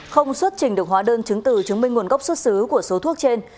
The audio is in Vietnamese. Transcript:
không xuất trình được hóa đơn chứng từ chứng minh nguồn gốc xuất xứ của số thuốc trên